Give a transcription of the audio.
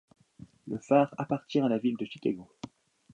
Le phare appartient à la ville de Chicago.